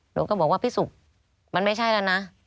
หนูก็บอกว่าพี่สุกมันไม่ใช่แล้วนะ